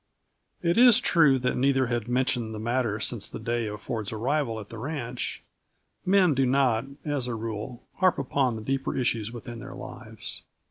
It is true that neither had mentioned the matter since the day of Ford's arrival at the ranch; men do not, as a rule, harp upon the deeper issues within their lives.